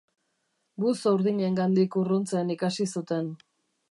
Buzo urdinengandik urruntzen ikasi zuten.